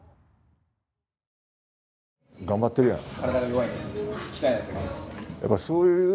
頑張ってるやん。